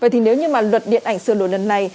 vậy thì nếu như mà luật điện ảnh sửa đổi lần này